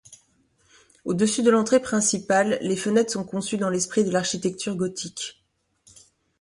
Au-dessus de l'entrée principale, les fenêtres sont conçues dans l'esprit de l'architecture gothique.